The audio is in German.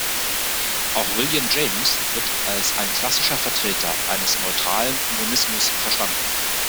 Auch William James wird als ein klassischer Vertreter eines neutralen Monismus verstanden.